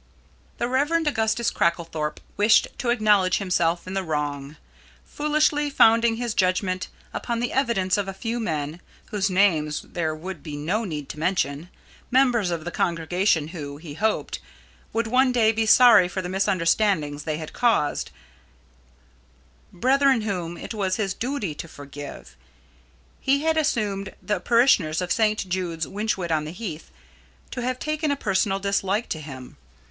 The Rev. Augustus Cracklethorpe wished to acknowledge himself in the wrong. Foolishly founding his judgment upon the evidence of a few men, whose names there would be no need to mention, members of the congregation who, he hoped, would one day be sorry for the misunderstandings they had caused, brethren whom it was his duty to forgive, he had assumed the parishioners of St. Jude's, Wychwood on the Heath, to have taken a personal dislike to him.